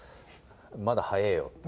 「まだ早えよ」って。